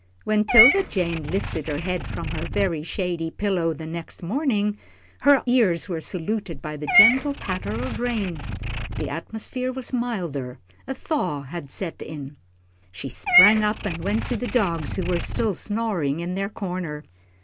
When 'Tilda Jane lifted her head from her very shady pillow the next morning, her ears were saluted by the gentle patter of rain. The atmosphere was milder a thaw had set in. She sprang up, and went to the dogs, who were still snoring in their corner.